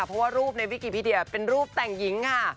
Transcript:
เพราะว่ารูปในวิกีพิเดียเป็นรูปแต่งหญิงค่ะ